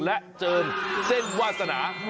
และเจิมเส้นวาสนา